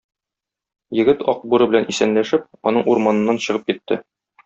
Егет, Ак бүре белән исәнләшеп, аның урманыннан чыгып китте.